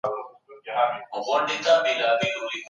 زه د خپلو زده کړو په اړه فکر کوم.